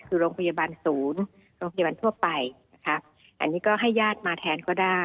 คือโรงพยาบาลศูนย์โรงพยาบาลทั่วไปนะคะอันนี้ก็ให้ญาติมาแทนก็ได้